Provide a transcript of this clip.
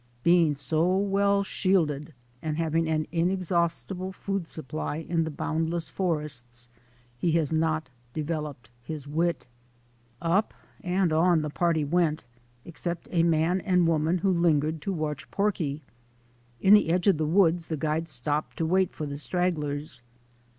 Being so well shielded and hav ing an inexhaustible food supply in the boundless forests, he has not developed his wit. Up and on the party went, except a man and woman who lingered to watch porky. In the edge of the woods the guide stopped to wait for the stragglers.